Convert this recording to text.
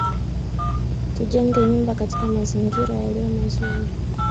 Tujenge nyumba katika mazingira yaliyo mazuri.